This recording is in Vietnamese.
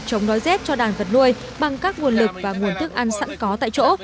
chống đói rét cho đàn vật nuôi bằng các nguồn lực và nguồn thức ăn sẵn có tại chỗ